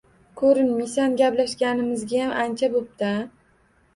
Ko’rinmisan, Gaplashmaganimizgayam ancha bo’pti a?